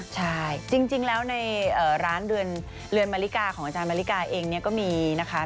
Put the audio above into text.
ใช่จริงแล้วในร้านเรือนมาริกาของอาจารย์มาริกาเองเนี่ยก็มีนะคะ